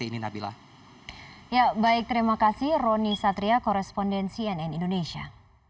ya baik terima kasih roni satria korespondensi nn indonesia